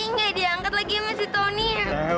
enggak diangkat lagi masih tony